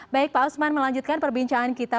baik pak usman melanjutkan perbincangan kita